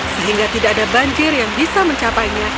sehingga tidak ada banjir yang bisa mencapainya